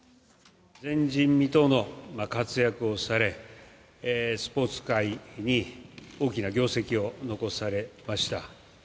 前人未到の活躍をされ、スポーツ界に大きな業績を残されました。